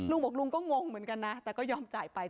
ลุงบอกลุงก็งงเหมือนกันนะแต่ก็ยอมจ่ายไป